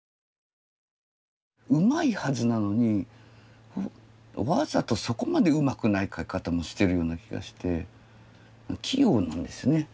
うまいはずなのにわざとそこまでうまくない描き方もしてるような気がして器用なんですね。